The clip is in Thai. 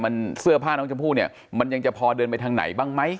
มันเสื้อผ้าน้องชมพู่เนี่ยมันยังจะพอเดินไปทางไหนบ้างไหม